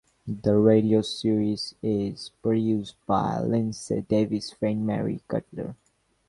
The radio series is produced by Lindsey Davis' friend Mary Cutler.